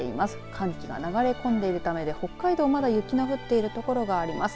寒気が流れ込んでいるためで北海道、まだ雪の降っている所があります。